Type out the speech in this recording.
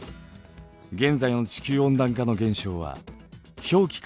現在の地球温暖化の現象は氷期間